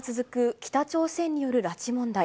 北朝鮮による拉致問題。